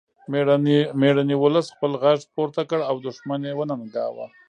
میړني ولس خپل غږ پورته کړ او دښمن یې وننګاوه